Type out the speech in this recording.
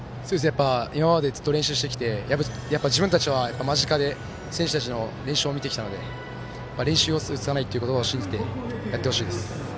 今までずっと練習してきてやっぱり自分たちは間近で練習を見てきたので「練習はうそをつかない」という言葉を信じてやってほしいです。